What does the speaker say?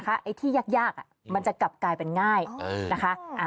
ไอ้ที่ยากมันจะกลับกลายเป็นง่ายนะคะ